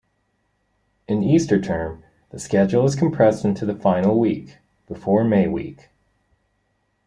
In Easter term, the schedule is compressed into the final week, before May Week.